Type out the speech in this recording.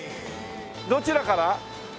どちらから？